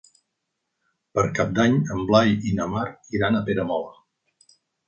Per Cap d'Any en Blai i na Mar iran a Peramola.